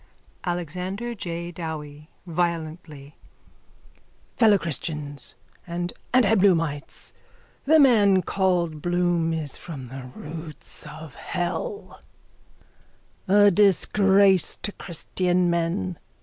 _ ALEXANDER J DOWIE: (Violently.) Fellowchristians and antiBloomites, the man called Bloom is from the roots of hell, a disgrace to christian men.